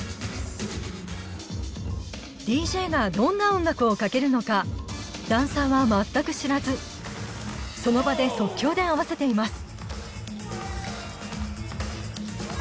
ＤＪがどんな音楽をかけるのかダンサーは全く知らずその場で即興で合わせています。